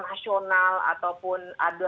nasional ataupun ada